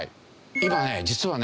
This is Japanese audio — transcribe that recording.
今ね実はね